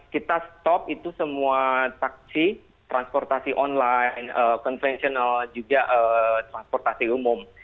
kita stop itu semua taksi transportasi online konvensional juga transportasi umum